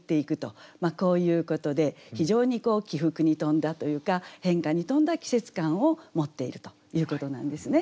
こういうことで非常に起伏に富んだというか変化に富んだ季節感を持っているということなんですね。